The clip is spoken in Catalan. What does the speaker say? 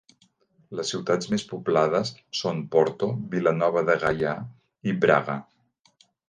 Les ciutats més poblades són Porto, Vila Nova de Gaia i Braga.